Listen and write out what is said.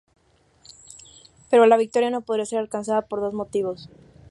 Pero la victoria no podría ser alcanzada por dos motivos.